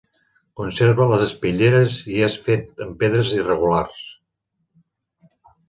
Conserva les espitlleres i és fet amb pedres irregulars.